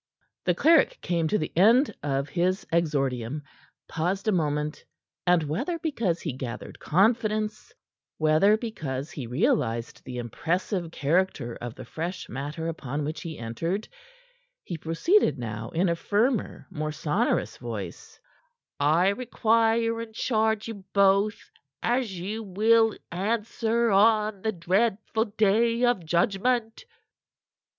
The cleric came to the end of his exordium, paused a moment, and whether because he gathered confidence, whether because he realized the impressive character of the fresh matter upon which he entered, he proceeded now in a firmer, more sonorous voice: "I require and charge you both as ye will answer on the dreadful day of judgment."